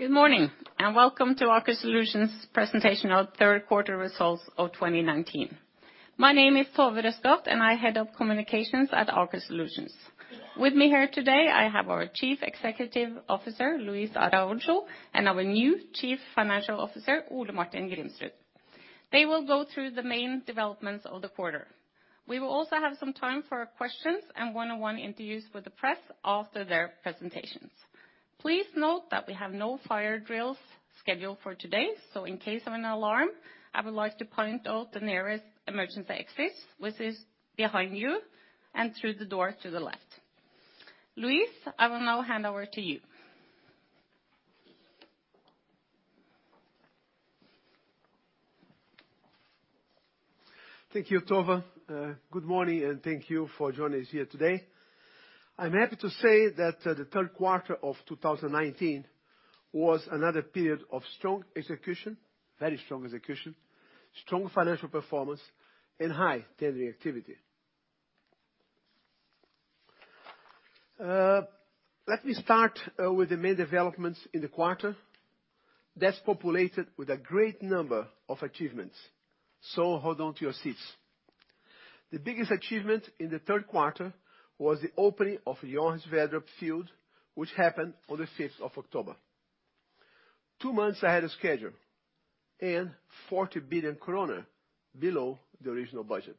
Good morning, welcome to Aker Solutions presentation of third quarter results of 2019. My name is Tove Røskaft, and I'm Head of Communications at Aker Solutions. With me here today, I have our Chief Executive Officer, Luis Araujo, and our new Chief Financial Officer, Ole Martin Grimsrud. They will go through the main developments of the quarter. We will also have some time for questions and one-on-one interviews with the press after their presentations. Please note that we have no fire drills scheduled for today, in case of an alarm, I would like to point out the nearest emergency exits, which is behind you and through the door to the left. Luis, I will now hand over to you. Thank you, Tove. Good morning, and thank you for joining us here today. I'm happy to say that the third quarter of 2019 was another period of strong execution, very strong execution, strong financial performance, and high tendering activity. Let me start with the main developments in the quarter that's populated with a great number of achievements, so hold on to your seats. The biggest achievement in the third quarter was the opening of the Johan Sverdrup field, which happened on the fifth of October. Two months ahead of schedule and 40 billion krone below the original budget.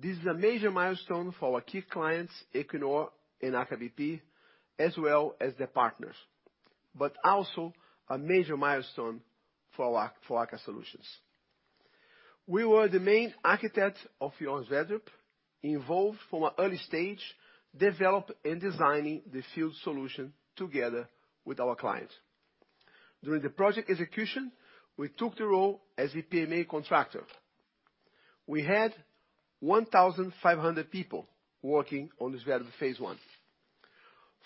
This is a major milestone for our key clients, Equinor and Aker BP, as well as their partners, but also a major milestone for Aker Solutions. We were the main architect of Johan Sverdrup, involved from an early stage, develop and designing the field solution together with our clients. During the project execution, we took the role as EPMA contractor. We had 1,500 people working on the Sverdrup Phase One.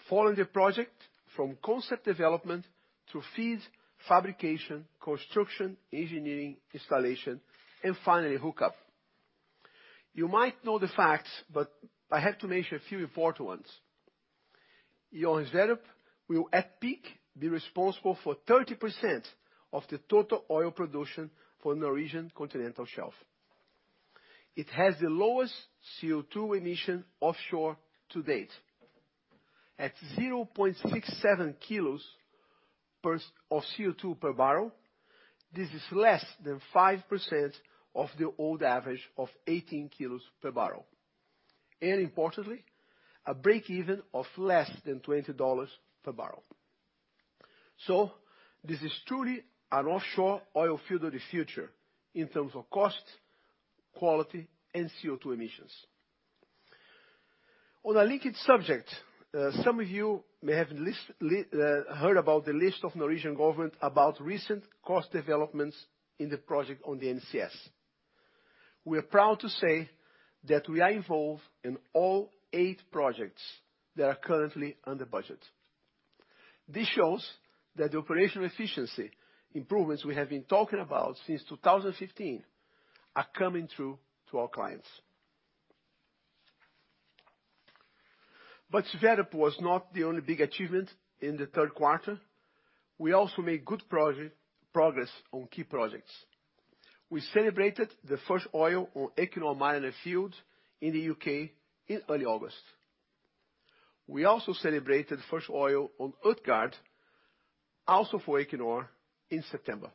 Following the project from concept development to FEEDs, fabrication, construction, engineering, installation, and finally, hookup. You might know the facts, I have to mention a few important ones. Johan Sverdrup will, at peak, be responsible for 30% of the total oil production for Norwegian Continental Shelf. It has the lowest CO₂ emission offshore to date. At 0.67 kilos per, of CO₂ per barrel, this is less than 5% of the old average of 18 kilos per barrel. Importantly, a break-even of less than $20 per barrel. This is truly an offshore oil field of the future in terms of cost, quality, and CO₂ emissions. On a linked subject, some of you may have heard about the list of Norwegian government about recent cost developments in the project on the NCS. We are proud to say that we are involved in all eight projects that are currently under budget. This shows that the operational efficiency improvements we have been talking about since 2015 are coming through to our clients. Sverdrup was not the only big achievement in the third quarter. We also made good progress on key projects. We celebrated the first oil on Equinor Mariner field in the U.K. in early August. We also celebrated first oil on Utgard, also for Equinor, in September.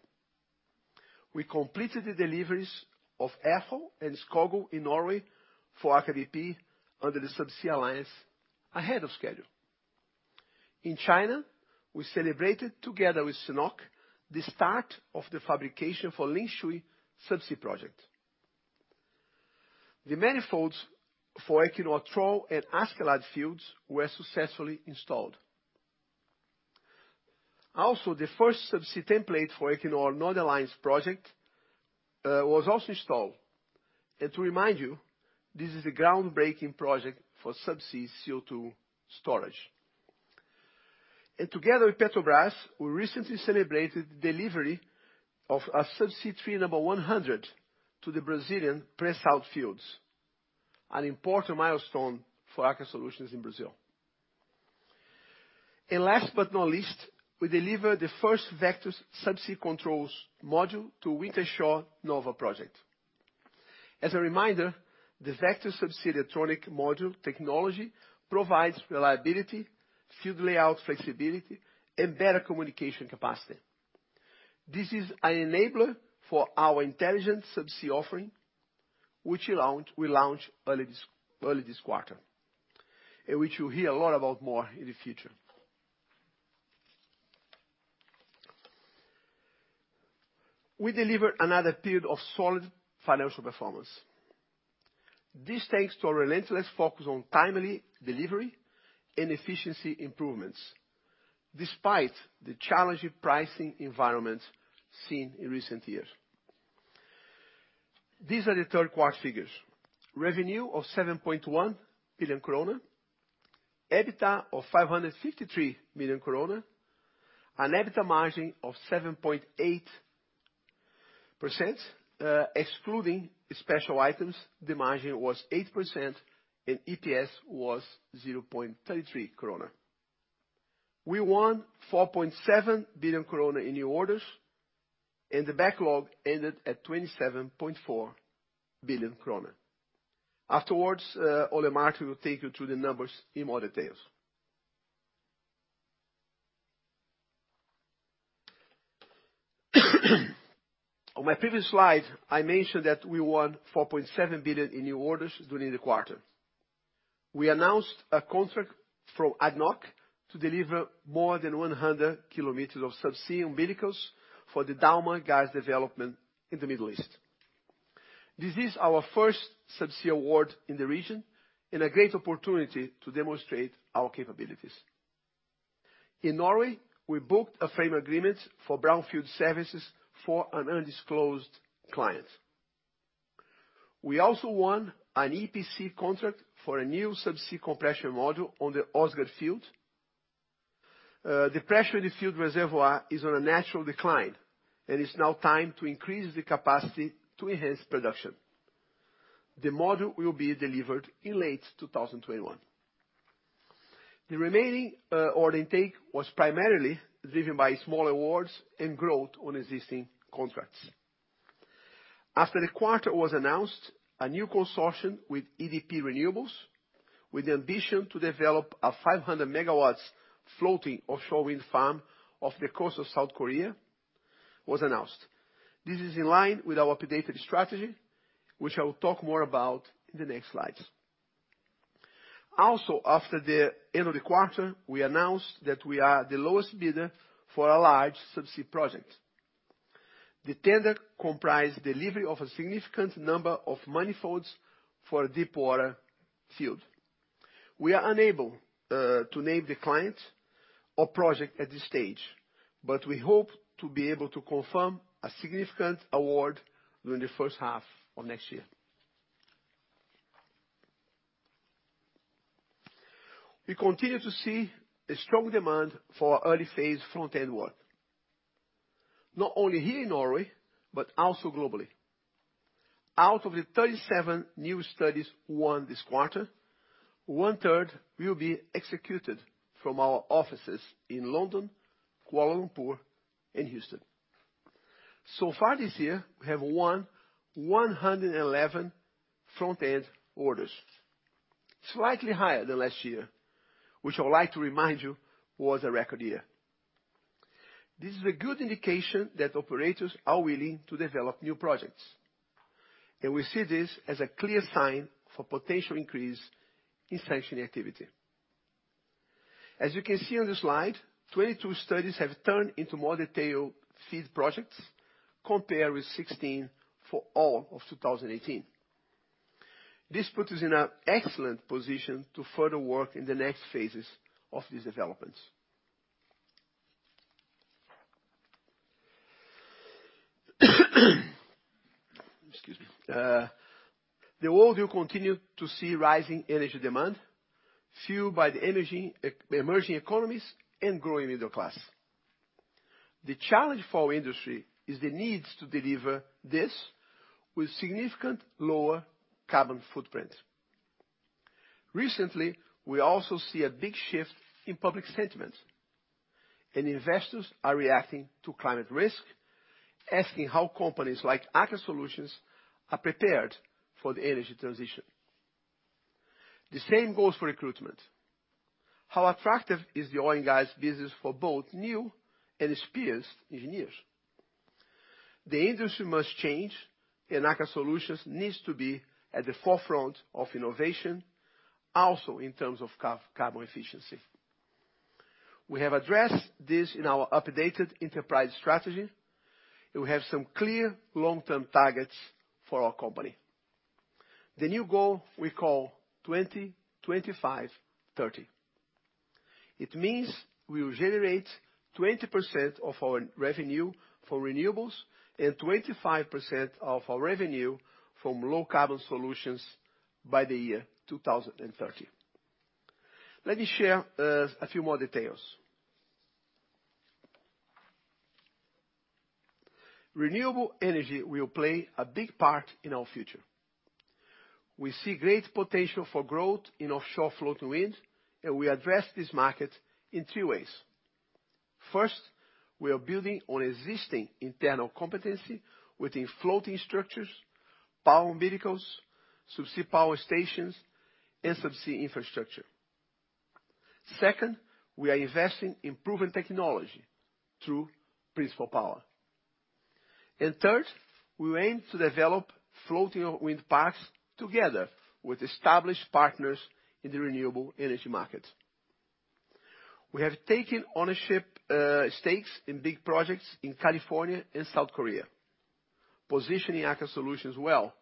We completed the deliveries of Ærfugl and Skogul in Norway for Aker BP under the Subsea Alliance ahead of schedule. In China, we celebrated together with CNOOC the start of the fabrication for Lingshui Subsea Project. The manifolds for Equinor Troll and Askeladd fields were successfully installed. Also, the first subsea template for Equinor Northern Lights project was also installed. To remind you, this is a groundbreaking project for subsea CO₂ storage. Together with Petrobras, we recently celebrated the delivery of a Subsea Tree number 100 to the Brazilian Pre-Salt fields, an important milestone for Aker Solutions in Brazil. Last but not least, we delivered the first Vectus Subsea Controls module to Wintershall Nova project. As a reminder, the Vectus subsea electronic module technology provides reliability, field layout flexibility, and better communication capacity. This is an enabler for our intelligent subsea offering, which we launch early this quarter, and which you'll hear a lot about more in the future. We deliver another period of solid financial performance. This thanks to our relentless focus on timely delivery and efficiency improvements despite the challenging pricing environment seen in recent years. These are the third quarter figures. Revenue of 7.1 billion krone, EBITDA of 553 million krone, and EBITDA margin of 7.8%. Excluding special items, the margin was 8% and EPS was 0.33 krone. We won 4.7 billion krone in new orders, the backlog ended at 27.4 billion krone. Afterwards, Ole Martin will take you through the numbers in more details. On my previous slide, I mentioned that we won 4.7 billion in new orders during the quarter. We announced a contract from ADNOC to deliver more than 100 kilometers of subsea umbilicals for the Dalma gas development in the Middle East. This is our first subsea award in the region and a great opportunity to demonstrate our capabilities. In Norway, we booked a frame agreement for brownfield services for an undisclosed client. We also won an EPC contract for a new subsea compression module on the Åsgard field. The pressure in the field reservoir is on a natural decline, and it's now time to increase the capacity to enhance production. The module will be delivered in late 2021. The remaining order intake was primarily driven by smaller awards and growth on existing contracts. After the quarter was announced, a new consortium with EDP Renewables, with the ambition to develop a 500 megawatts floating offshore wind farm off the coast of South Korea was announced. This is in line with our updated strategy, which I will talk more about in the next slides. After the end of the quarter, we announced that we are the lowest bidder for a large subsea project. The tender comprise delivery of a significant number of manifolds for a deepwater field. We are unable to name the client or project at this stage, but we hope to be able to confirm a significant award during the first half of next year. We continue to see a strong demand for early phase front-end work, not only here in Norway, but also globally. Out of the 37 new studies won this quarter, one-third will be executed from our offices in London, Kuala Lumpur, and Houston. This year, we have won 111 front-end orders, slightly higher than last year, which I would like to remind you was a record year. This is a good indication that operators are willing to develop new projects, and we see this as a clear sign for potential increase in sanctioning activity. As you can see on this slide, 22 studies have turned into more detailed FEED projects, compared with 16 for all of 2018. This puts us in an excellent position to further work in the next phases of these developments. Excuse me. The world will continue to see rising energy demand fueled by the emerging economies and growing middle class. The challenge for our industry is the needs to deliver this with significant lower carbon footprint. Recently, we also see a big shift in public sentiment, and investors are reacting to climate risk, asking how companies like Aker Solutions are prepared for the energy transition. The same goes for recruitment. How attractive is the oil and gas business for both new and experienced engineers? The industry must change, and Aker Solutions needs to be at the forefront of innovation also in terms of carbon efficiency. We have addressed this in our updated enterprise strategy, and we have some clear long-term targets for our company. The new goal we call 20/25/30. It means we will generate 20% of our revenue from renewables and 25% of our revenue from low-carbon solutions by the year 2030. Let me share a few more details. Renewable energy will play a big part in our future. We see great potential for growth in offshore floating wind, and we address this market in two ways. First, we are building on existing internal competency within floating structures, power umbilicals, subsea power stations, and subsea infrastructure. Second, we are investing in proven technology through Principal Power. Third, we aim to develop floating wind parks together with established partners in the renewable energy market. We have taken ownership stakes in big projects in California and South Korea, positioning Aker Solutions well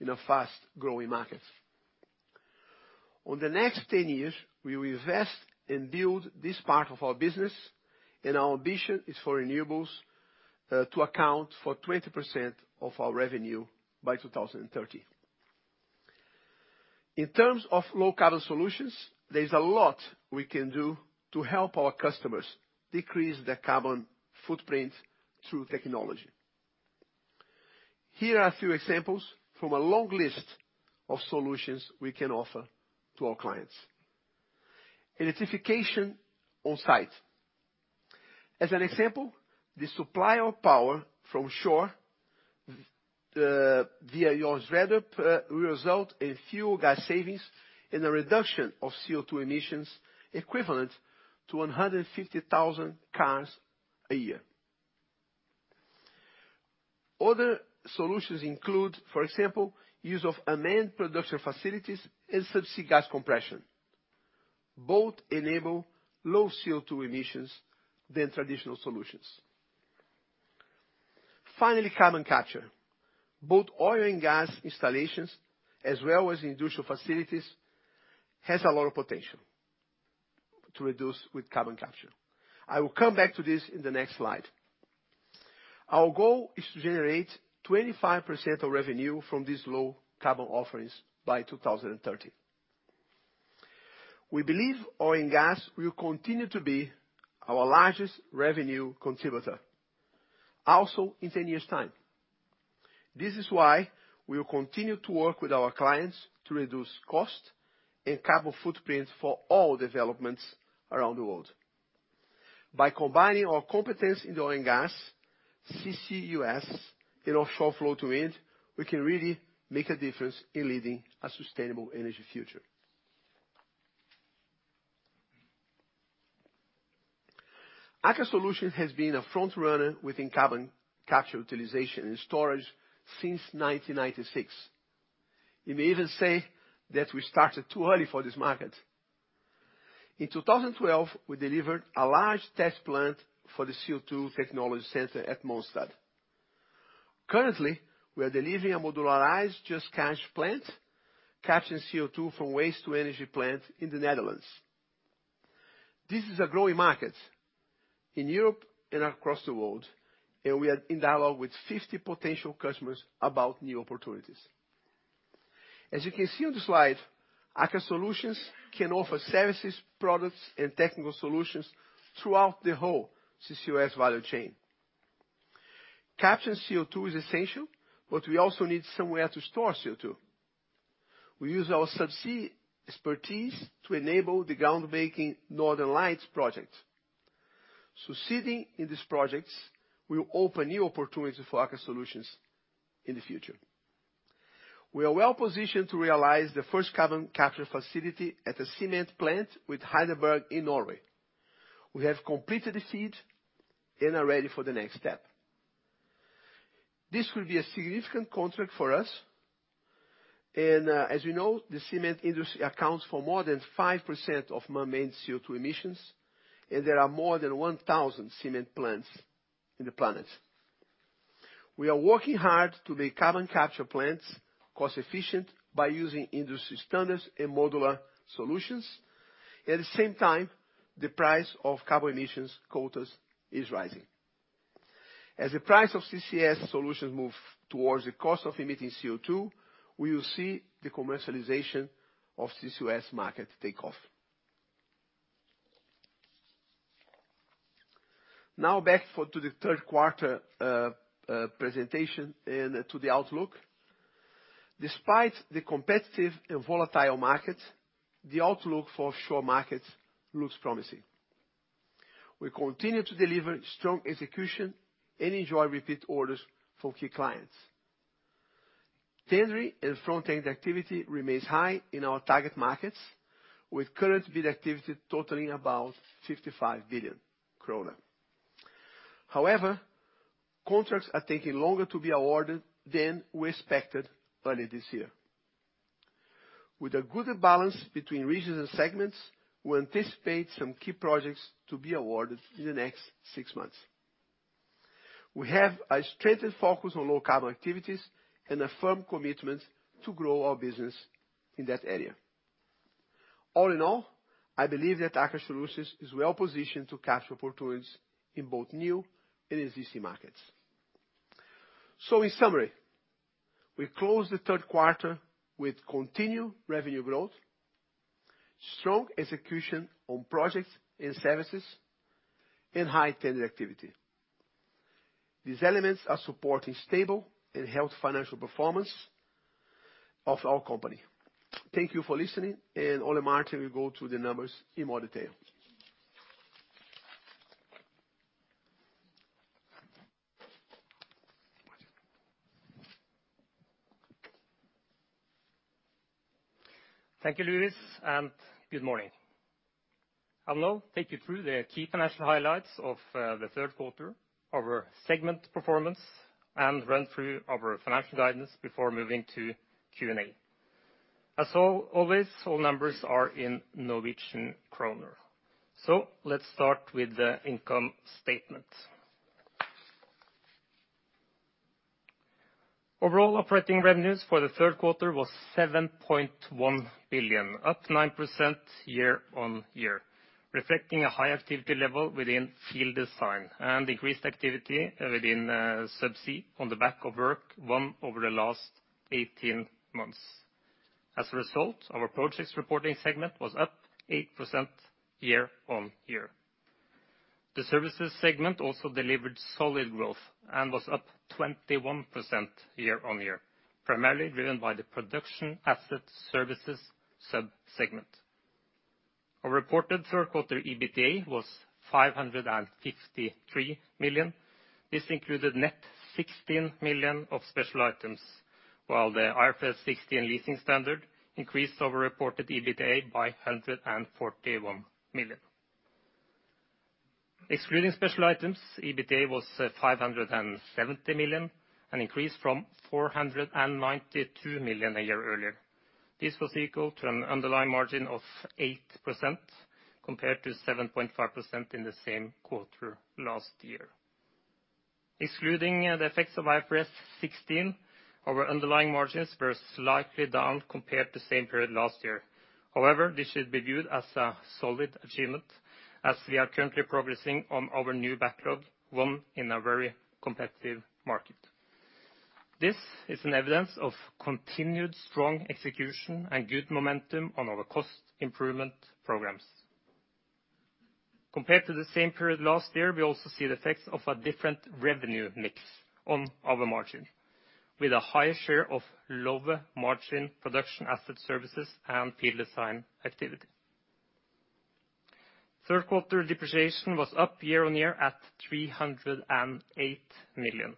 in a fast-growing market. On the next 10 years, we will invest and build this part of our business. Our ambition is for renewables to account for 20% of our revenue by 2030. In terms of low-carbon solutions, there is a lot we can do to help our customers decrease their carbon footprint through technology. Here are a few examples from a long list of solutions we can offer to our clients. Electrification on site. As an example, the supply of power from shore via your shredder result in fuel gas savings and a reduction of CO₂ emissions equivalent to 150,000 cars a year. Other solutions include, for example, use of unmanned production facilities and subsea gas compression. Both enable low CO₂ emissions than traditional solutions. Finally, carbon capture. Both oil and gas installations, as well as industrial facilities, has a lot of potential to reduce with carbon capture. I will come back to this in the next slide. Our goal is to generate 25% of revenue from these low carbon offerings by 2030. We believe oil and gas will continue to be our largest revenue contributor, also in 10 years' time. This is why we will continue to work with our clients to reduce cost and carbon footprint for all developments around the world. By combining our competence in oil and gas, CCUS, and offshore floating wind, we can really make a difference in leading a sustainable energy future. Aker Solutions has been a frontrunner within carbon capture utilization and storage since 1996. You may even say that we started too early for this market. In 2012, we delivered a large test plant for the CO₂ technology center at Mongstad. Currently, we are delivering a modularized Just Catch plant, capturing CO₂ from waste-to-energy plant in the Netherlands. This is a growing market in Europe and across the world, and we are in dialogue with 50 potential customers about new opportunities. As you can see on the slide, Aker Solutions can offer services, products and technical solutions throughout the whole CCUS value chain. Capturing CO₂ is essential, but we also need somewhere to store CO₂. We use our subsea expertise to enable the groundbreaking Northern Lights project. Succeeding in these projects will open new opportunities for Aker Solutions in the future. We are well-positioned to realize the first carbon capture facility at a cement plant with Heidelberg in Norway. We have completed the FEED and are ready for the next step. This will be a significant contract for us, and, as we know, the cement industry accounts for more than 5% of manmade CO₂ emissions, and there are more than 1,000 cement plants in the planet. We are working hard to make carbon capture plants cost-efficient by using industry standards and modular solutions. At the same time, the price of carbon emissions quotas is rising. As the price of CCS solutions move towards the cost of emitting CO₂, we will see the commercialization of CCUS market take off. Now back to the third quarter presentation and to the outlook. Despite the competitive and volatile market, the outlook for offshore markets looks promising. We continue to deliver strong execution and enjoy repeat orders for key clients. Tendering and front-end activity remains high in our target markets, with current bid activity totaling about 55 billion kroner. Contracts are taking longer to be awarded than we expected earlier this year. With a good balance between regions and segments, we anticipate some key projects to be awarded in the next six months. We have a strengthened focus on low carbon activities and a firm commitment to grow our business in that area. All in all, I believe that Aker Solutions is well-positioned to capture opportunities in both new and existing markets. In summary, we closed the third quarter with continued revenue growth, strong execution on projects and services, and high tender activity. These elements are supporting stable and healthy financial performance of our company. Thank you for listening. Ole Martin will go through the numbers in more detail. Thank you, Luis, and good morning. I'll now take you through the key financial highlights of the third quarter, our segment performance, and run through our financial guidance before moving to Q&A. As always, all numbers are in Norwegian kroner. Let's start with the income statement. Overall operating revenues for the third quarter was 7.1 billion, up 9% year-on-year, reflecting a high activity level within field design and increased activity within subsea on the back of work won over the last 18 months. As a result, our projects reporting segment was up 8% year-on-year. The services segment also delivered solid growth and was up 21% year-on-year, primarily driven by the production asset services sub-segment. Our reported third quarter EBITDA was 553 million. This included net 16 million of special items, while the IFRS 16 leasing standard increased our reported EBITDA by 141 million. Excluding special items, EBITDA was 570 million, an increase from 492 million a year earlier. This was equal to an underlying margin of 8% compared to 7.5% in the same quarter last year. Excluding the effects of IFRS 16, our underlying margins were slightly down compared to the same period last year. However, this should be viewed as a solid achievement, as we are currently progressing on our new backlog, one in a very competitive market. This is an evidence of continued strong execution and good momentum on our cost improvement programs. Compared to the same period last year, we also see the effects of a different revenue mix on our margin, with a higher share of lower margin production asset services and field design activity. Third quarter depreciation was up year-on-year at 308 million.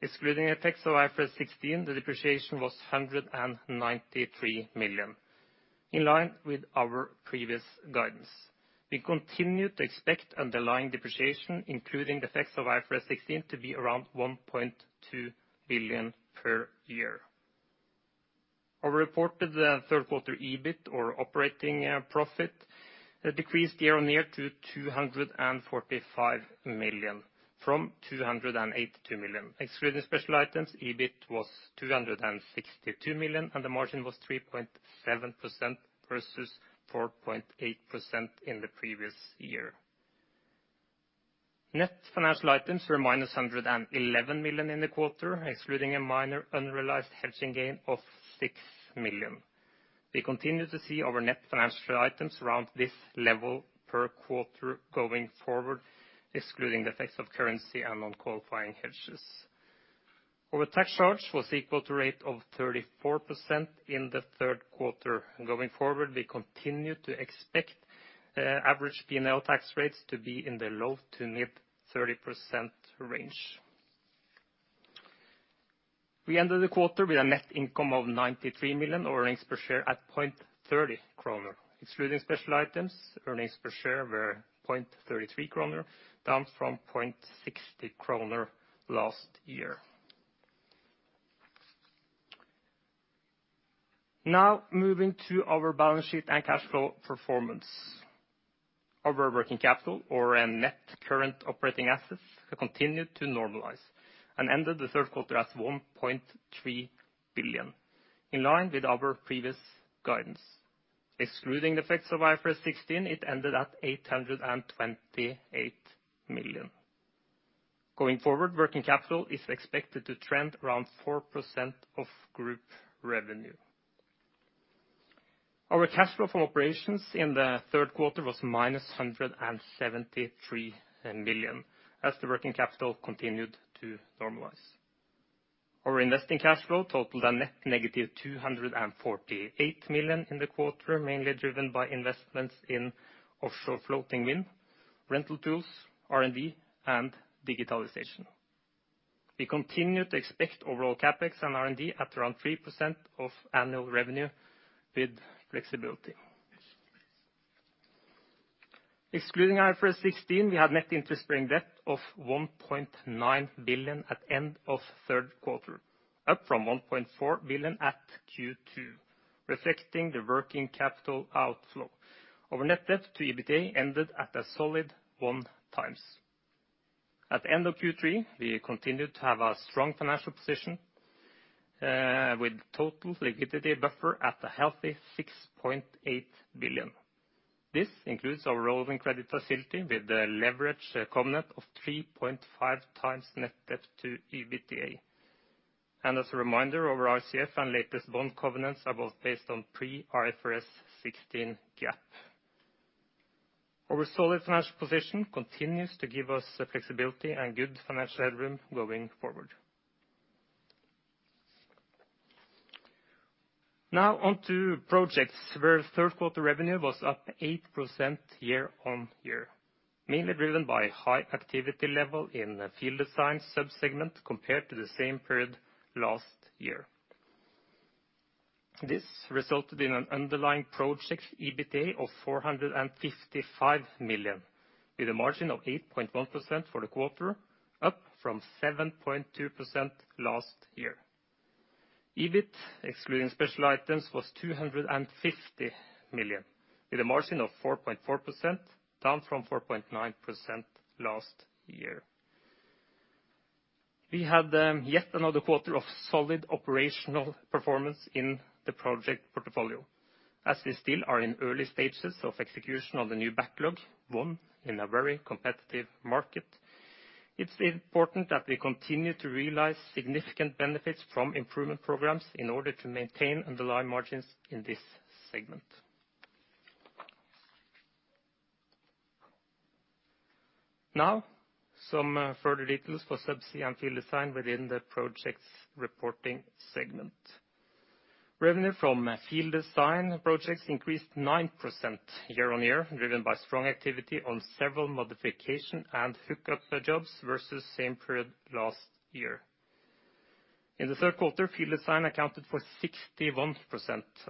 Excluding effects of IFRS 16, the depreciation was 193 million, in line with our previous guidance. We continue to expect underlying depreciation, including the effects of IFRS 16, to be around 1.2 billion per year. Our reported third quarter EBIT or operating profit decreased year-on-year to 245 million from 282 million. Excluding special items, EBIT was 262 million, and the margin was 3.7% versus 4.8% in the previous year. Net financial items were -111 million in the quarter, excluding a minor unrealized hedging gain of 6 million. We continue to see our net financial items around this level per quarter going forward, excluding the effects of currency and non-qualifying hedges. Our tax charge was equal to a rate of 34% in the third quarter. Going forward, we continue to expect average P&L tax rates to be in the low to mid-30% range. We ended the quarter with a net income of 93 million, or earnings per share at 0.30 kroner. Excluding special items, earnings per share were 0.33 kroner, down from 0.60 kroner last year. Moving to our balance sheet and cash flow performance. Our working capital or net current operating assets have continued to normalize and ended the third quarter at 1.3 billion, in line with our previous guidance. Excluding the effects of IFRS 16, it ended at 828 million. Working capital is expected to trend around 4% of group revenue. Our cash flow from operations in the third quarter was -173 million, as the working capital continued to normalize. Our investing cash flow totaled a net negative -248 million in the quarter, mainly driven by investments in offshore floating wind, rental tools, R&D, and digitalization. We continue to expect overall CapEx and R&D at around 3% of annual revenue with flexibility. Excluding IFRS 16, we have net interest-bearing debt of 1.9 billion at end of Q3, up from 1.4 billion at Q2, reflecting the working capital outflow. Our net debt to EBITDA ended at a solid 1x. At the end of Q3, we continued to have a strong financial position, with total liquidity buffer at a healthy 6.8 billion. This includes our revolving credit facility with a leverage covenant of 3.5x net debt to EBITDA. As a reminder, our RCF and latest bond covenants are both based on pre-IFRS 16 GAAP. Our solid financial position continues to give us flexibility and good financial headroom going forward. On to projects, where third quarter revenue was up 8% year-on-year, mainly driven by high activity level in the field design sub-segment compared to the same period last year. This resulted in an underlying project EBITDA of 455 million, with a margin of 8.1% for the quarter, up from 7.2% last year. EBIT, excluding special items, was 250 million, with a margin of 4.4%, down from 4.9% last year. We had yet another quarter of solid operational performance in the project portfolio, as we still are in early stages of execution of the new backlog, one in a very competitive market. It's important that we continue to realize significant benefits from improvement programs in order to maintain underlying margins in this segment. Some further details for subsea and field design within the projects reporting segment. Revenue from field design projects increased 9% year-on-year, driven by strong activity on several modification and hookup jobs versus same period last year. In the third quarter, field design accounted for 61%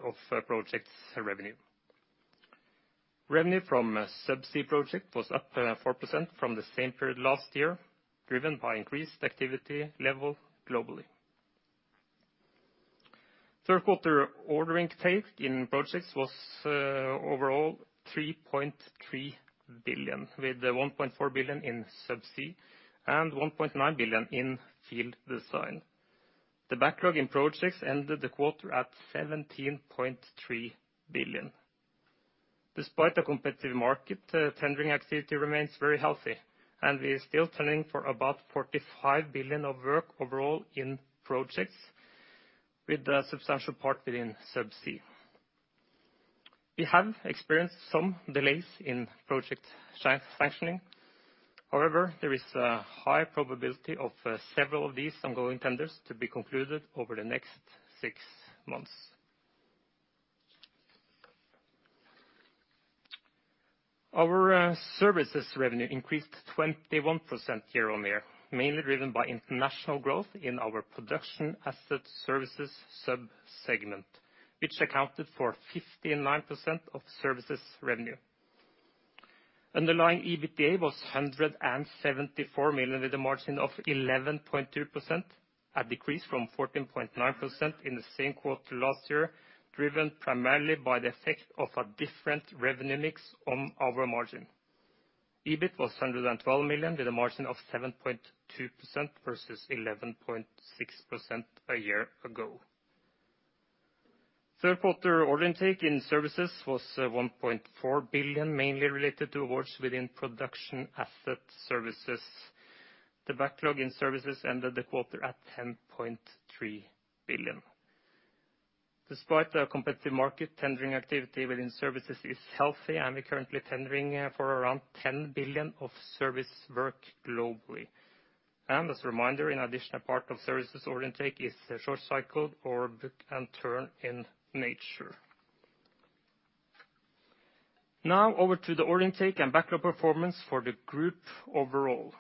of projects revenue. Revenue from a subsea project was up 4% from the same period last year, driven by increased activity level globally. Third quarter ordering take in projects was overall 3.3 billion, with 1.4 billion in subsea and 1.9 billion in field design. The backlog in projects ended the quarter at 17.3 billion. Despite the competitive market, tendering activity remains very healthy, and we are still turning for about 45 billion of work overall in projects with a substantial part within subsea. We have experienced some delays in project sanctioning. However, there is a high probability of several of these ongoing tenders to be concluded over the next 6 months. Our services revenue increased 21% year-on-year, mainly driven by international growth in our production asset services sub-segment, which accounted for 59% of services revenue. Underlying EBITDA was 174 million, with a margin of 11.2%, a decrease from 14.9% in the same quarter last year, driven primarily by the effect of a different revenue mix on our margin. EBIT was 112 million, with a margin of 7.2% versus 11.6% a year ago. Third quarter order intake in services was 1.4 billion, mainly related to awards within production asset services. The backlog in services ended the quarter at 10.3 billion. Despite the competitive market, tendering activity within services is healthy, and we're currently tendering for around 10 billion of service work globally. As a reminder, an additional part of services order intake is short cycle or book and turn in nature. Over to the order intake and backlog performance for the group overall.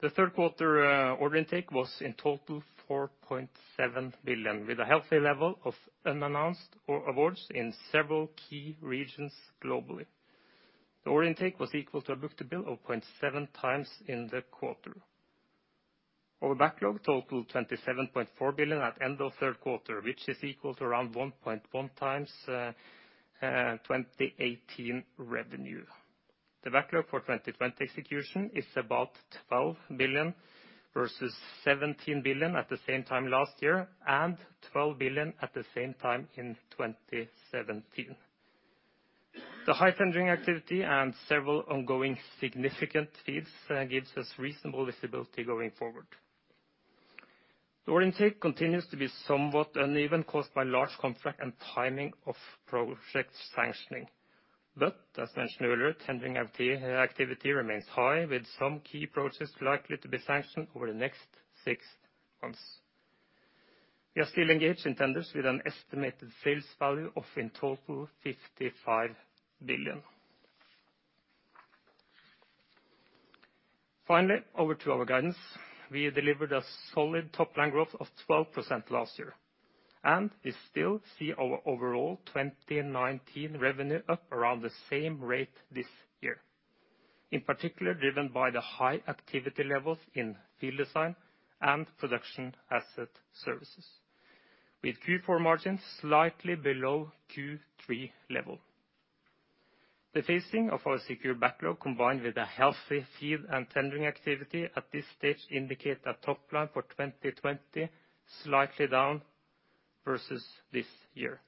The third quarter order intake was in total 4.7 billion, with a healthy level of unannounced or awards in several key regions globally. The order intake was equal to book-to-bill of 0.7 times in the quarter. Our backlog totaled 27.4 billion at end of third quarter, which is equal to around 1.1 times 2018 revenue. The backlog for 2020 execution is about 12 billion versus 17 billion at the same time last year, and 12 billion at the same time in 2017. The high tendering activity and several ongoing significant FEEDs gives us reasonable visibility going forward. The order intake continues to be somewhat uneven, caused by large contract and timing of project sanctioning. As mentioned earlier, tendering activity remains high, with some key projects likely to be sanctioned over the next 6 months. We are still engaged in tenders with an estimated sales value of, in total, 55 billion. Finally, over to our guidance. We delivered a solid top line growth of 12% last year, and we still see our overall 2019 revenue up around the same rate this year, in particular driven by the high activity levels in field design and production asset services, with Q4 margins slightly below Q3 level. The phasing of our secure backlog, combined with a healthy FEED and tendering activity at this stage indicate that top line for 2020 slightly down versus this year.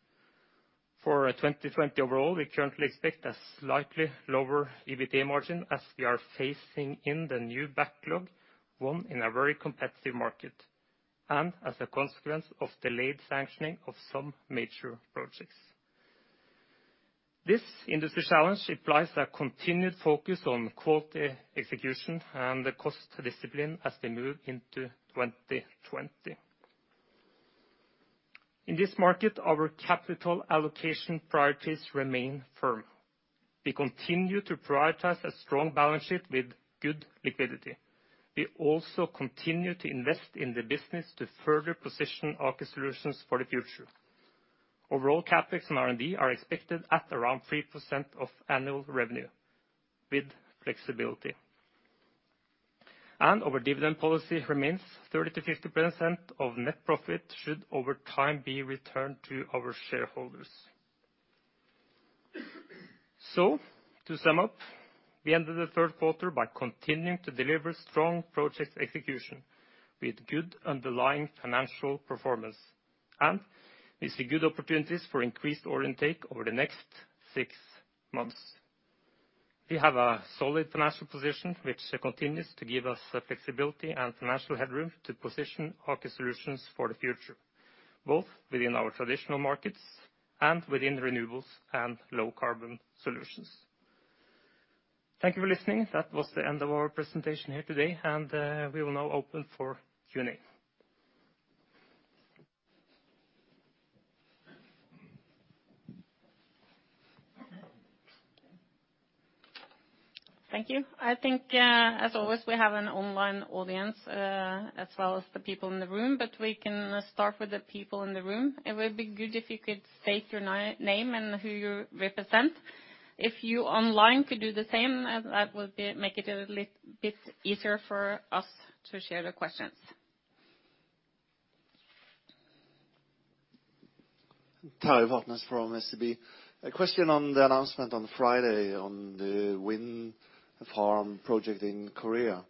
For 2020 overall, we currently expect a slightly lower EBITDA margin, as we are phasing in the new backlog, one in a very competitive market and as a consequence of delayed sanctioning of some major projects. This industry challenge implies a continued focus on quality, execution, and the cost discipline as we move into 2020. In this market, our capital allocation priorities remain firm. We continue to prioritize a strong balance sheet with good liquidity. We also continue to invest in the business to further position Aker Solutions for the future. Overall, CapEx and R&D are expected at around 3% of annual revenue, with flexibility. Our dividend policy remains 30%-50% of net profit should over time be returned to our shareholders. To sum up, we ended the third quarter by continuing to deliver strong project execution with good underlying financial performance. We see good opportunities for increased order intake over the next six months. We have a solid financial position, which continues to give us the flexibility and financial headroom to position Aker Solutions for the future, both within our traditional markets and within renewables and low carbon solutions. Thank you for listening. That was the end of our presentation here today, and we will now open for Q&A. Thank you. I think, as always, we have an online audience, as well as the people in the room. We can start with the people in the room. It would be good if you could state your name and who you represent. If you online could do the same, that would make it a little bit easier for us to share the questions. Tarjei Vatne from SEB. A question on the announcement on Friday on the wind farm project in Korea.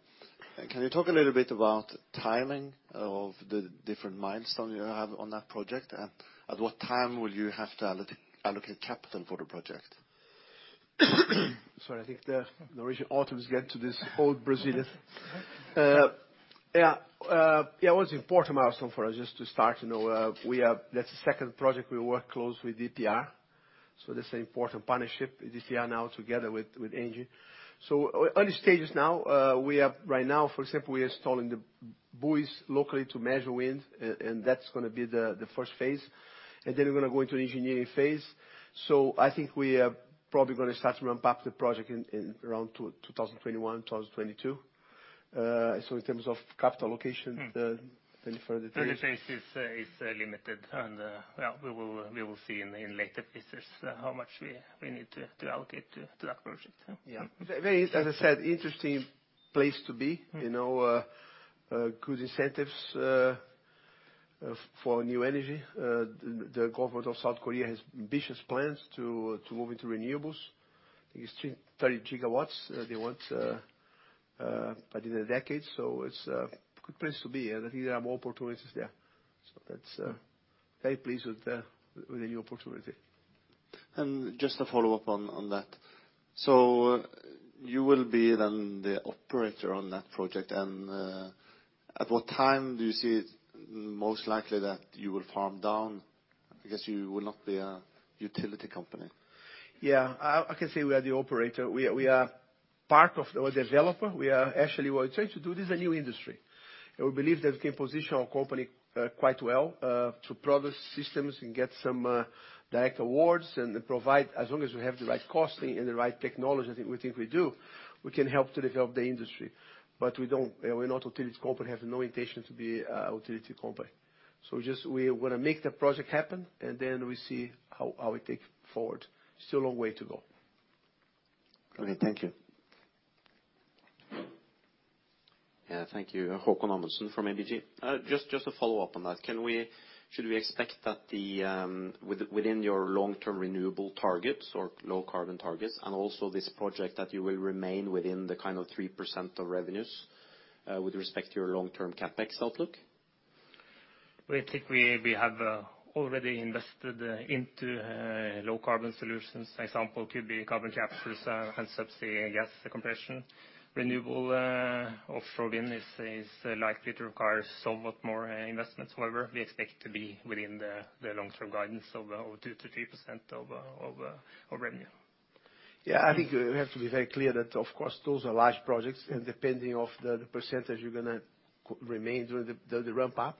Can you talk a little bit about timing of the different milestone you have on that project? At what time will you have to allocate capital for the project? Sorry, I think the Norwegian autumn is getting to this old Brazilian. Yeah, it was an important milestone for us just to start, you know. That's the second project we work close with EDPR. This is important partnership with EDPR now together with Engie. Early stages now, we have right now, for example, we are installing the buoys locally to measure wind, and that's gonna be the first phase. Then we're gonna go into an engineering phase. I think we are probably gonna start to ramp up the project in around 2021, 2022. In terms of capital allocation, any further details? The phase is limited and, well, we will see in later phases how much we need to allocate to that project. Yeah. Very, as I said, interesting place to be, you know. Good incentives for new energy. The government of South Korea has ambitious plans to move into renewables. I think it's 30 gigawatts they want within a decade. It's a good place to be. I think there are more opportunities there. That's very pleased with the new opportunity. Just to follow up on that. You will be then the operator on that project and at what time do you see it most likely that you will farm down? Because you will not be a utility company. Yeah. I can say we are the operator. We are part of the developer. We are actually what we're trying to do, this is a new industry. We believe that we can position our company quite well to produce systems and get some direct awards and provide, as long as we have the right costing and the right technology, I think, we think we do, we can help to develop the industry. But we're not a utility company, have no intention to be a utility company. Just we wanna make the project happen, and then we see how we take forward. Still a long way to go. Okay, thank you. Yeah, thank you. Haakon Amundsen from ABG. Just to follow up on that. Should we expect that the, within your long-term renewable targets or low carbon targets, and also this project that you will remain within the kind of 3% of revenues, with respect to your long-term CapEx outlook? We think we have already invested into low-carbon solutions. Example could be carbon capture and subsea gas compression. Renewable offshore wind is likely to require somewhat more investments. However, we expect to be within the long-term guidance of 2%-3% of revenue. Yeah. I think we have to be very clear that, of course, those are large projects, depending of the percentage you're gonna remain during the ramp up.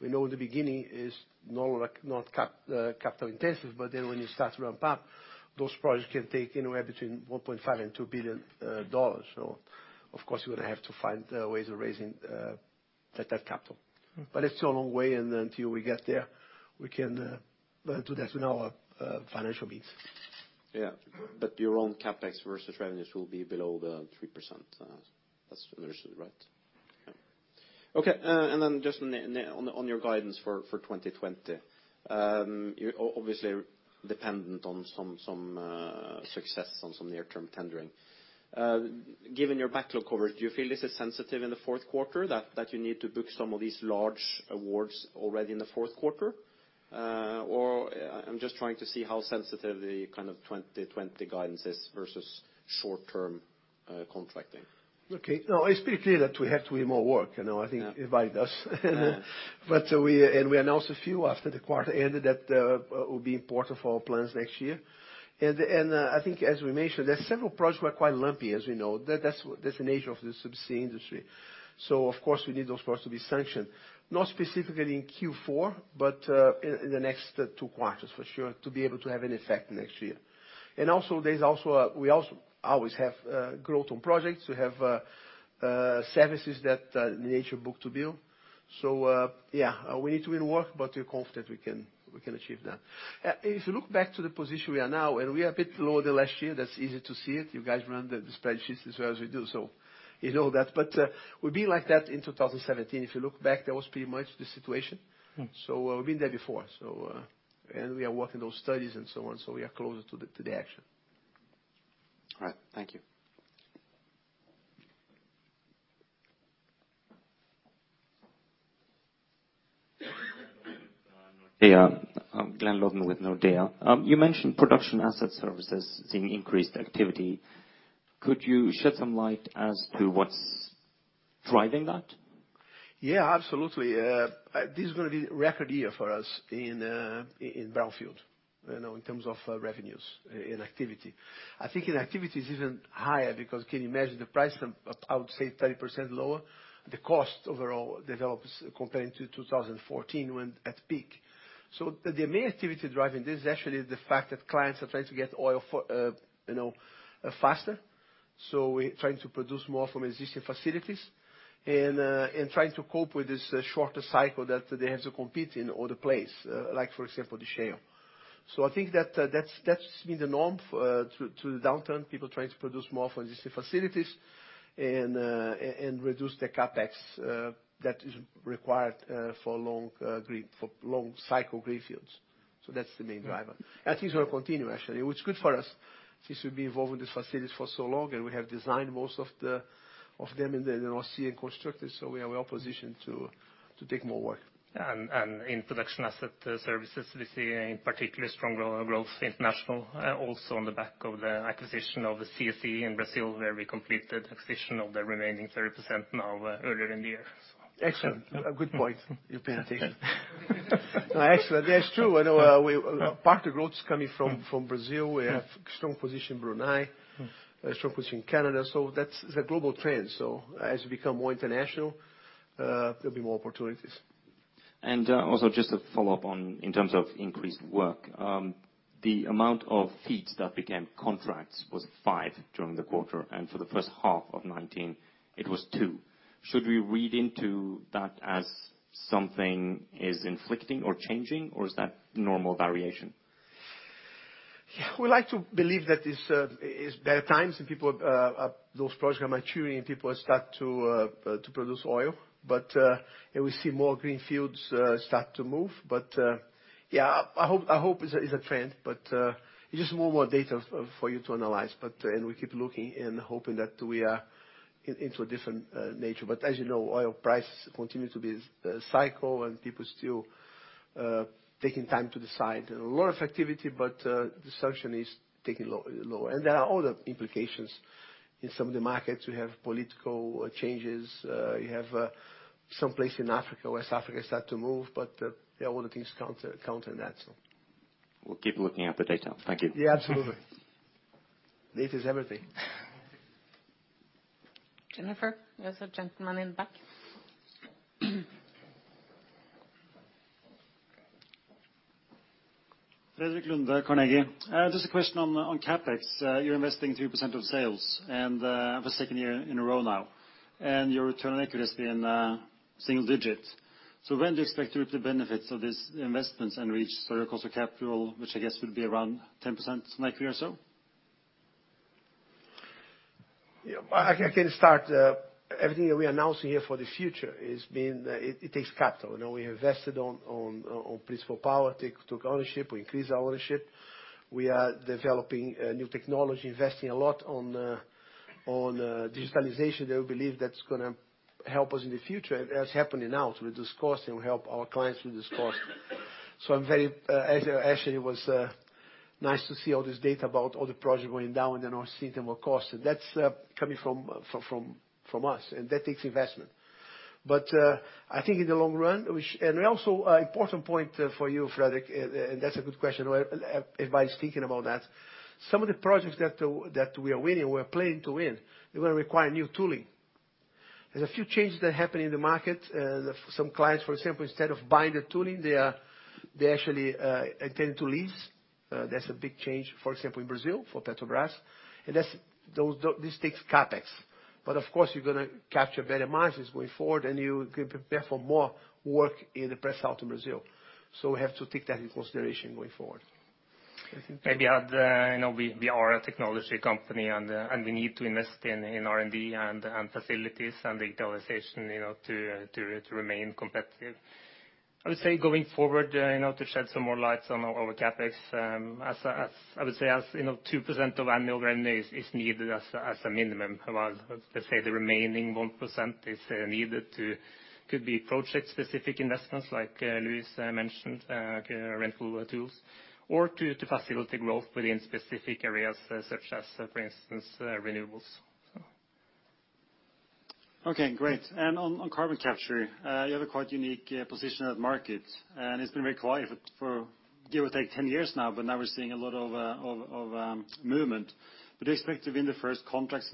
We know the beginning is normal, not capital intensive, when you start to ramp up, those projects can take anywhere between $1.5 billion and $2 billion. Of course, you're gonna have to find ways of raising that capital. It's still a long way, and until we get there, we can well do that within our financial means. Your own CapEx versus revenues will be below the 3%. That's understood, right? Okay, just on your guidance for 2020. You're obviously dependent on some success on some near-term tendering. Given your backlog coverage, do you feel this is sensitive in the fourth quarter that you need to book some of these large awards already in the fourth quarter? I'm just trying to see how sensitive the kind of 2020 guidance is versus short-term contracting. Okay. No, it's pretty clear that we have to win more work. You know, I think everybody does. Yeah. We announced a few after the quarter ended that will be important for our plans next year. I think as we mentioned, there are several projects were quite lumpy, as you know. That's the nature of the subsea industry. Of course, we need those projects to be sanctioned, not specifically in Q4, but in the next 2 quarters for sure, to be able to have an effect next year. There's also we also always have growth on projects. We have services that in the nature book-to-bill. Yeah, we need to win work, but we're confident we can achieve that. If you look back to the position we are now, and we are a bit lower than last year, that's easy to see it. You guys run the spreadsheets as well as we do, so you know that. We've been like that in 2017. If you look back, that was pretty much the situation. Mm. We've been there before. We are working those studies and so on, so we are closer to the action. All right. Thank you. Glenn Lodden with Nordea. You mentioned production asset services seeing increased activity. Could you shed some light as to what's driving that? Yeah, absolutely. This is gonna be record year for us in brownfield, you know, in terms of revenues and activity. I think in activities even higher, because can you imagine the price from, I would say 30% lower, the cost overall develops comparing to 2014 when at peak. The main activity driving this is actually the fact that clients are trying to get oil for, you know, faster. We're trying to produce more from existing facilities and trying to cope with this shorter cycle that they have to compete in other place, like for example, the shale. I think that's been the norm to the downturn, people trying to produce more from existing facilities and reduce the CapEx that is required for long cycle greenfields. That's the main driver. Things will continue actually, which is good for us, since we've been involved with the facilities for so long, and we have designed most of them in the North Sea and constructed, so we are well positioned to take more work. In production asset services, we see a particularly strong growth international, also on the back of the acquisition of the CSE in Brazil, where we completed acquisition of the remaining 30% now, earlier in the year. Excellent. A good point. You pay attention. No, excellent. That's true. I know. Yeah. Part of the growth is coming from Brazil. Yeah. We have strong position in Brunei. Mm-hmm. Strong position in Canada. That's the global trend. As we become more international, there'll be more opportunities. Also just a follow-up on in terms of increased work. The amount of feeds that became contracts was 5 during the quarter, and for the first half of 2019 it was 2. Should we read into that as something is inflicting or changing, or is that normal variation? Yeah, we like to believe that this is better times and people are, those projects are maturing and people start to produce oil. And we see more green fields start to move. Yeah, I hope, I hope it's a, it's a trend, but you just more and more data for you to analyze. And we keep looking and hoping that we are in, into a different nature. As you know, oil prices continue to be cycle and people still taking time to decide. A lot of activity, disruption is taking lower. There are other implications. In some of the markets, we have political changes, you have some place in Africa, West Africa start to move, yeah, all the things counter that, so. We'll keep looking at the data. Thank you. Yeah, absolutely. Data is everything. Jennifer, there's a gentleman in the back. Frederik Lunde, Carnegie. Just a question on CapEx. You're investing 3% of sales for a secndnd year in a row now. Your return on equity is in single digits. When do you expect to reap the benefits of these investments and reach sort of cost of capital, which I guess would be around 10% next year or so? Yeah. I can start. Everything that we announce here for the future is being, it takes capital. You know, we invested on Principal Power, took ownership, we increased our ownership. We are developing new technology, investing a lot on digitalization, that we believe that's gonna help us in the future. That's happening now to reduce cost and help our clients reduce cost. I'm very, actually it was nice to see all this data about all the projects going down and then not seeing them on cost. That's coming from us, and that takes investment. I think in the long run, which. Also, important point for you, Frederik, and that's a good question, everybody's thinking about that. Some of the projects that we are winning, we're planning to win, they're gonna require new tooling. There's a few changes that happen in the market. Some clients, for example, instead of buying the tooling, they actually are turning to lease. That's a big change, for example, in Brazil for Petrobras. This takes CapEx. Of course, you're gonna capture better margins going forward, and you prepare for more work in the press out in Brazil. We have to take that into consideration going forward. Eskild. Maybe add, you know, we are a technology company, and we need to invest in R&D and facilities and digitalization, you know, to remain competitive. I would say going forward, you know, to shed some more light on the CapEx, as I would say, as you know, 2% of annual revenue is needed as a minimum, while let's say the remaining 1% is needed to, could be project-specific investments like Luis mentioned rental tools, or to facilitate growth within specific areas such as, for instance, renewables, so. Okay, great. On carbon capture, you have a quite unique position in the market. It's been very quiet for give or take 10 years now. Now we're seeing a lot of movement. Would you expect to win the first contracts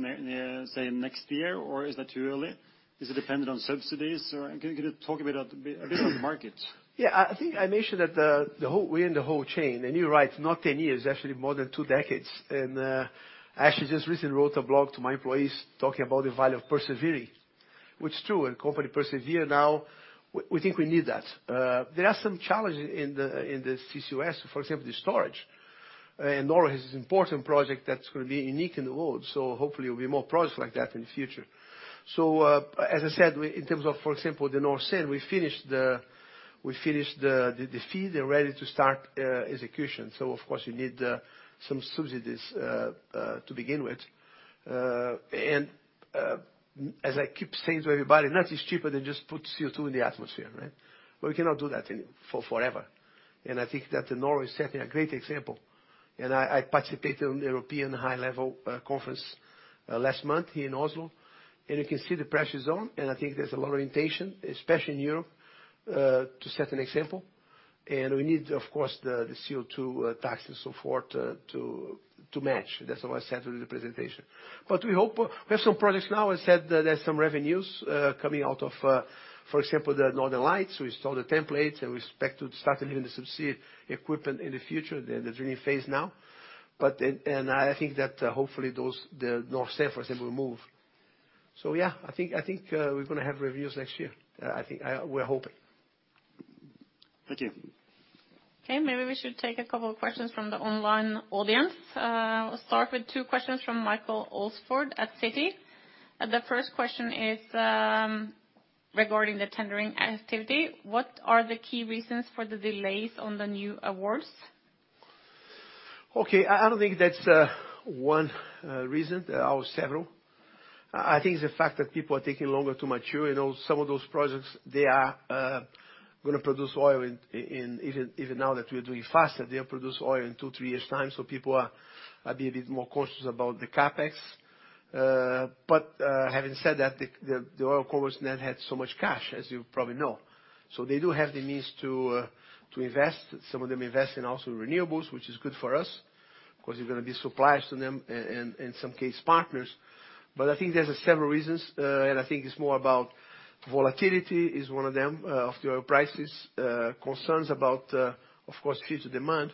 say, next year, or is that too early? Is it dependent on subsidies? Can you talk a bit on the market? Yeah. I think I mentioned that the whole, we're in the whole chain. You're right, not 10 years, actually more than 2 decades. I actually just recently wrote a blog to my employees talking about the value of persevering, which is true, and company persevere now, we think we need that. There are some challenges in the CCUS, for example, the storage. And Norway has this important project that's gonna be unique in the world. Hopefully there'll be more projects like that in the future. As I said, in terms of, for example, the Johan Sverdrup, we finished the FEED. They're ready to start execution. Of course you need some subsidies to begin with. As I keep saying to everybody, nothing's cheaper than just put CO₂ in the atmosphere, right? But we cannot do that forever. I think that Norway is setting a great example. I participated in the European high level conference last month here in Oslo, and you can see the pressure's on, and I think there's a lot of intention, especially in Europe, to set an example. We need, of course, the CO₂ taxes so forth to match. That's what I said during the presentation. We hope... We have some projects now. I said that there's some revenues coming out of, for example, the Northern Lights. We installed the templates, and we expect to start delivering the subsea equipment in the future. They're in the drilling phase now. I think that hopefully those, the Johan Sverdrup for example, will move. Yeah, I think we're gonna have revenues next year. I think. We're hoping. Thank you. Okay. Maybe we should take a couple of questions from the online audience. I'll start with two questions from Michael Alsford at Citi. The first question is regarding the tendering activity. What are the key reasons for the delays on the new awards? Okay. I don't think that's one reason. There are several. I think it's the fact that people are taking longer to mature. You know, some of those projects, they are gonna produce oil in even now that we're doing faster, they'll produce oil in two, three years' time, so people are being a bit more cautious about the CapEx. Having said that, the oil companies net had so much cash, as you probably know. They do have the means to invest. Some of them invest in also renewables, which is good for us 'cause we're gonna be suppliers to them and in some case, partners. I think there's several reasons. I think it's more about volatility is one of them of the oil prices. Concerns about, of course, future demand.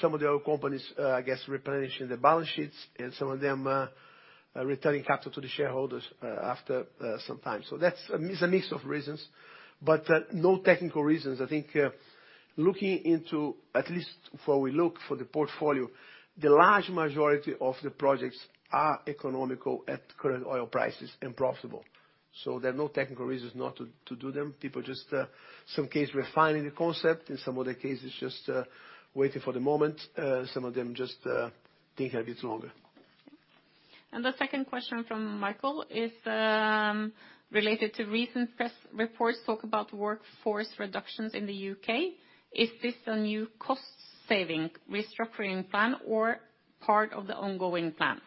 Some of the oil companies, I guess replenishing the balance sheets, and some of them, returning capital to the shareholders, after some time. That's a mix of reasons, but no technical reasons. I think, looking into at least where we look for the portfolio, the large majority of the projects are economical at current oil prices and profitable. There are no technical reasons not to do them. People just, some case refining the concept, in some other cases, just waiting for the moment. Some of them just take a bit longer. The second question from Michael is related to recent press reports talk about workforce reductions in the U.K. Is this a new cost-saving restructuring plan or part of the ongoing plan?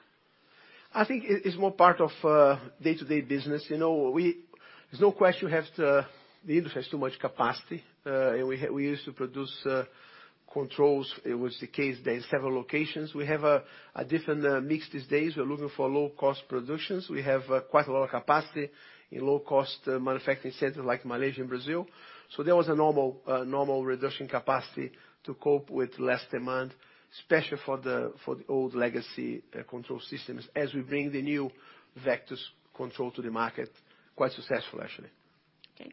I think it's more part of day-to-day business. You know, there's no question the industry has too much capacity. We used to produce controls. It was the case there in several locations. We have a different mix these days. We're looking for low cost productions. We have quite a lot of capacity in low cost manufacturing centers like Malaysia and Brazil. There was a normal reduction capacity to cope with less demand, especially for the, for the old legacy control systems, as we bring the new Vectus control to the market. Quite successful, actually. Okay.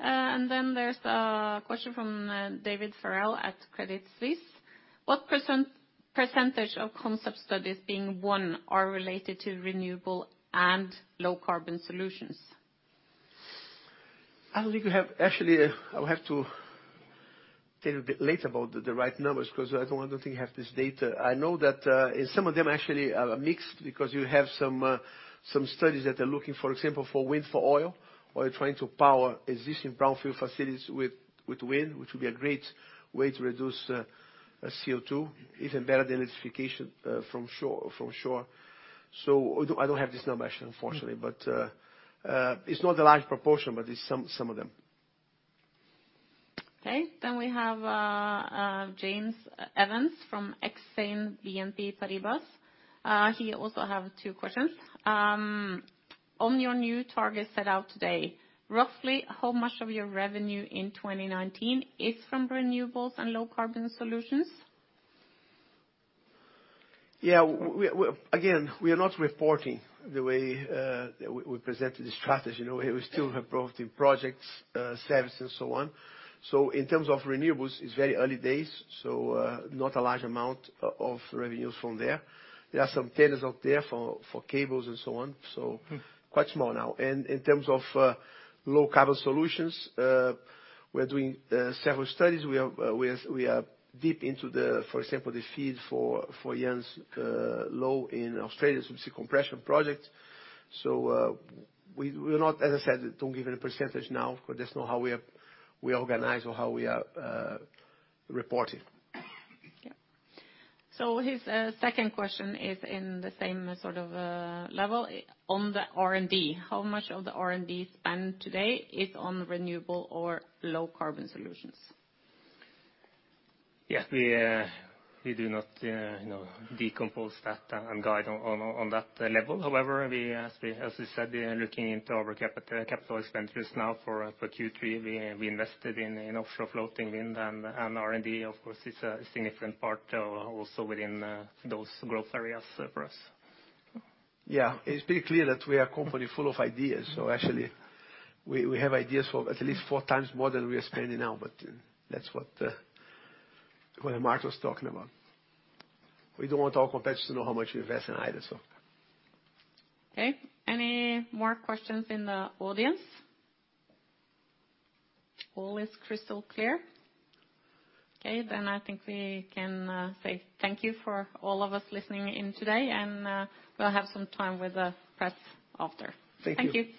There's a question from David Farrell at Credit Suisse. What percentage of concept studies being won are related to renewable and low carbon solutions? I don't think we have. Actually, I'll have to tell you a bit later about the right numbers, because I don't think we have this data. I know that some of them actually are mixed because you have some studies that are looking, for example, for wind for oil, or you're trying to power existing brownfield facilities with wind, which will be a great way to reduce CO2, even better than electrification from shore. I don't have this number actually, unfortunately. It's not a large proportion, but it's some of them. Okay. We have James Evans from Exane BNP Paribas. He also have two questions. On your new target set out today, roughly how much of your revenue in 2019 is from renewables and low carbon solutions? Yeah. We, again, we are not reporting the way we presented the strategy. You know, we still have both the projects, service and so on. In terms of renewables, it's very early days, not a large amount of revenues from there. There are some tenders out there for cables and so on, quite small now. In terms of low carbon solutions, we're doing several studies. We are deep into the, for example, the FEED for Jansz-Io in Australia subsea compression project. We're not, as I said, don't give any percentage now for this, nor how we are, we organize or how we are reporting. Yeah. His second question is in the same sort of level on the R&D. How much of the R&D spend today is on renewable or low carbon solutions? Yeah. We do not, you know, decompose that and guide on that level. However, we said, we are looking into our capital expenditures now for Q3. We invested in offshore floating wind and R&D of course is a significant part also within those growth areas for us. Yeah. It's pretty clear that we are a company full of ideas. Actually we have ideas for at least four times more than we are spending now, but that's what Mark was talking about. We don't want our competitors to know how much we invest in either. Okay. Any more questions in the audience? All is crystal clear. Okay. I think we can say thank you for all of us listening in today, we'll have some time with the press after. Thank you.